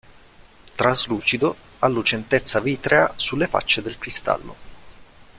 Traslucido, ha lucentezza vitrea sulle facce del cristallo.